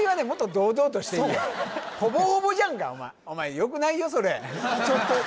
ほぼほぼじゃんかお前お前よくないよ？